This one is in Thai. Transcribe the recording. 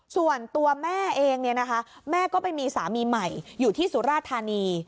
ส่วนตัวแม่เองเนี่ยนะคะแม่ก็ไปมีสามีใหม่อยู่ที่สุราธานี